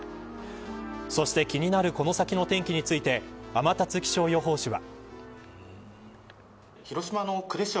そして気になるこの先の天気について天達気象予報士は。